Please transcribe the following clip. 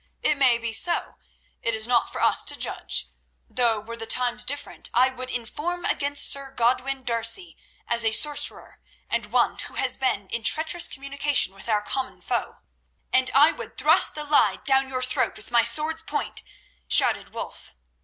It may be so; it is not for us to judge; though were the times different I would inform against Sir Godwin D'Arcy as a sorcerer, and one who has been in traitorous communication with our common foe." "And I would thrust the lie down your throat with my sword's point!" shouted Wulf.